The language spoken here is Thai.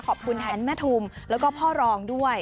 ขอบคุณแทนแม่ทุมแล้วก็พ่อรองด้วย